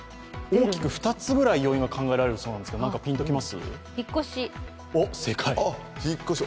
大きく２つぐらい要因が考えられるそうですが、何かピンときますか？